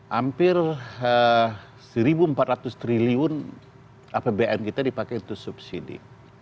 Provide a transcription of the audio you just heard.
hampir rp satu empat ratus triliun apbn kita dipakai untuk subsidi